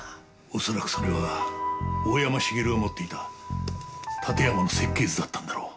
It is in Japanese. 恐らくそれは大山茂が持っていた館山の設計図だったんだろう。